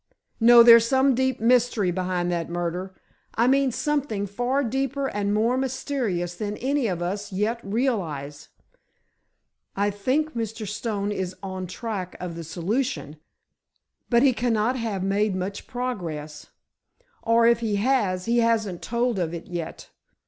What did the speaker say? No; there's some deep mystery behind that murder. I mean something far deeper and more mysterious than any of us yet realize. I think Mr. Stone is on track of the solution, but he cannot have made much progress—or, if he has, he hasn't told of it yet.